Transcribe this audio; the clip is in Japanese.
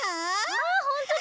わあほんとだ。